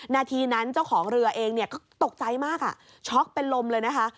นาทีนั้นเจ้าของเรือเองก็ตกใจมากช็อกเป็นลมเลยนะคะ